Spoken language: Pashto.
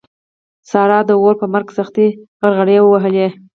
سارا د اور په مرګ کې سختې غرغړې ووهلې.